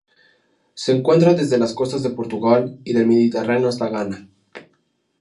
Se encuentra desde las costas de Portugal y del Mediterráneo hasta Ghana.